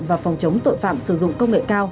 và phòng chống tội phạm sử dụng công nghệ cao